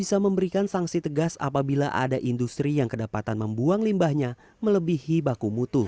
bisa memberikan sanksi tegas apabila ada industri yang kedapatan membuang limbahnya melebihi baku mutu